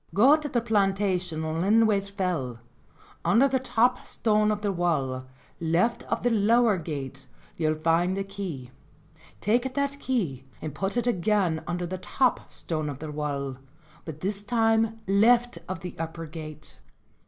"Go to the plantation on Linthwaite Fell ; under the top stone of the wall, left of the lower gate, you'll find a key; take that key and put it again under the top stone of the wall, but this time left of the upper gate."